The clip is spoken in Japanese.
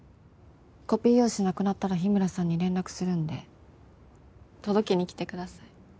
コピー用紙なくなったら日村さんに連絡するんで届けに来てください。